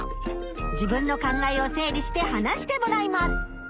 自分の考えを整理して話してもらいます。